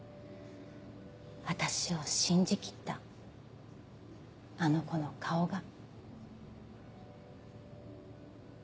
私を信じ切ったあの子の顔が。